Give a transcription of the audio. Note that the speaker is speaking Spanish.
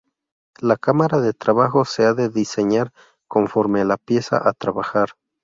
La cámara de trabajo se ha de diseñar conforme a la pieza a trabajar.